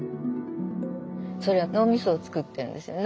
それは脳みそをつくってるんですね。